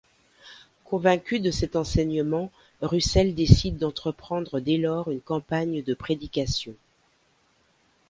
Convaincu de cet enseignement, Russell décide d'entreprendre dès lors une campagne de prédication.